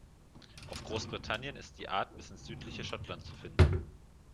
Auf Großbritannien ist die Art bis ins südliche Schottland zu finden.